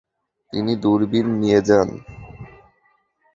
তিনি দূরবীন নিয়ে যান।